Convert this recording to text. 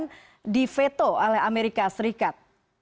dan difeto oleh amerika serikat